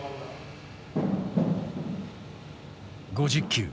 ５０球